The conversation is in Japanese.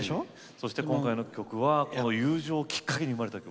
そして、今回の曲は友情をきっかけに生まれた曲。